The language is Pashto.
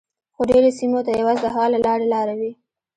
خو ډیری سیمو ته یوازې د هوا له لارې لاره وي